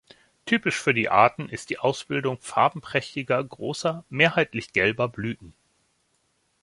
Typisch für die Arten ist die Ausbildung farbenprächtiger, großer, mehrheitlich gelber Blüten.